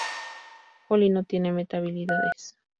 Holly no tiene meta-habilidades.